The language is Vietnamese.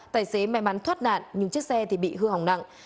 tài xế may mắn thoát nạn nhưng chiếc xe thì bị hư hỏng nặng